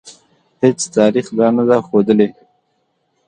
هیڅ تاریخ دا نه ده ښودلې.